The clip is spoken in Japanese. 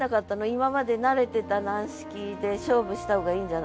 今まで慣れてた軟式で勝負した方がいいんじゃないかとか。